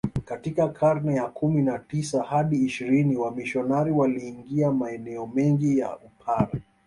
Katika karne ya kumi na tisa hadi ishirini wamisionari waliingia maeneo mengi ya Upare